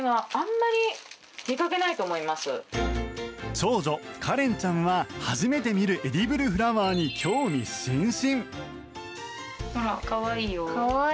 長女・歌蓮ちゃんは初めて見るエディブルフラワーに興味津々。